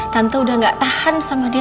tante udah gak tahan sama dia